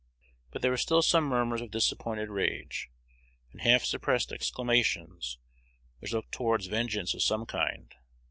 But there were still some murmurs of disappointed rage, and half suppressed exclamations, which looked towards vengeance of some kind.